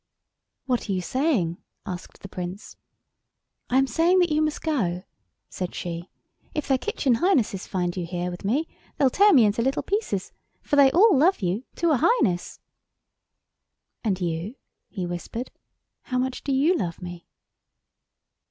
"What are you saying?" asked the Prince. "I am saying that you must go," said she. "If their Kitchen Highnesses find you here with me they'll tear me into little pieces, for they all love you—to a Highness." "And you," he whispered, "how much do you love me?"